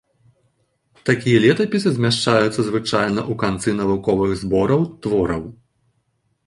Такія летапісы змяшчаюцца звычайна ў канцы навуковых збораў твораў.